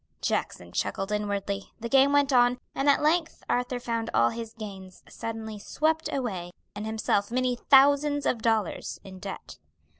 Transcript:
Jackson chuckled inwardly, the game went on, and at length Arthur found all his gains suddenly swept away and himself many thousands of dollars in debt.